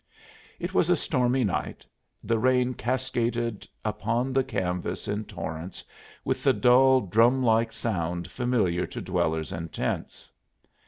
It was a stormy night. The rain cascaded upon the canvas in torrents, with the dull, drum like sound familiar to dwellers in tents.